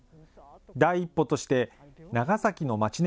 第一歩として、長崎の町ね